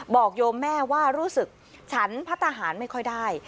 โยมแม่ว่ารู้สึกฉันพัฒนาหารไม่ค่อยได้